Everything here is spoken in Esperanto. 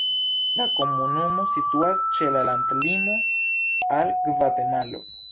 La komunumo situas ĉe la landlimo al Gvatemalo.